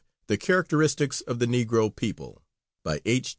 The Characteristics of the Negro People By H.